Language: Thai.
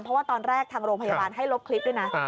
เพราะว่าตอนแรกทางโรงพยาบาลให้ลบคลิปด้วยนะ